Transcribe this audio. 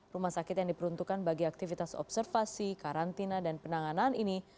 rumah sakit yang diperuntukkan bagi aktivitas observasi karantina dan penanganan ini